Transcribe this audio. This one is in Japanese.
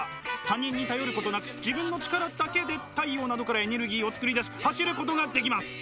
他人に頼ることなく自分の力だけで太陽などからエネルギーを作り出し走ることができます。